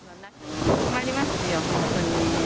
困りますよ、本当に。